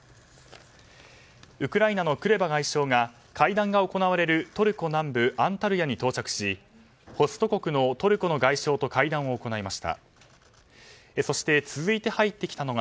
ウクライナのクレバ外相が会談が行われるトルコ南部アンタルヤに到着しホスト国のトルコの外相と会談を行いました。